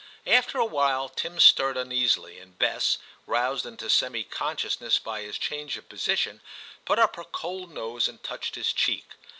After a while Tim stirred uneasily, and Bess, roused into semi consciousness by his change of position, put up her cold nose and touched his cheek.